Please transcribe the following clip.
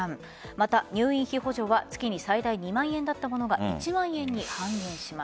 また、入院費補助は月に最大２万円だったものが１万円に半減します。